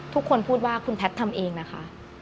ทุกคนพูดว่าคุณแพทย์ทำเองนะคะ